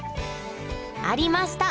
ありました！